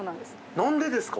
何でですか？